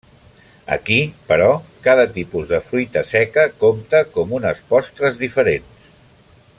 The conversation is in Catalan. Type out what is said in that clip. Aquí, però, cada tipus de fruita seca compta com unes postres diferents.